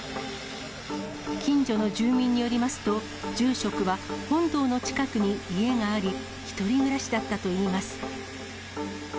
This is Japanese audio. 近所の住民によりますと、住職は本堂の近くに家があり、１人暮らしだったといいます。